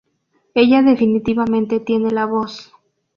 Ella definitivamente tiene la voz"".